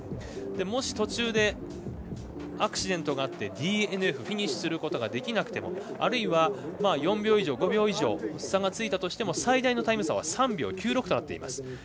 もし途中でアクシデントがあってＤＮＦ、フィニッシュすることができなくてもあるいは４秒、５秒以上の差がついたとしても最大のタイム差は３秒９６となっています。